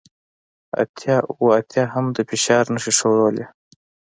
اتیا اوه اتیا هم د فشار نښې ښودلې